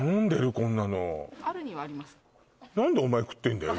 こんなの何でお前食ってんだよ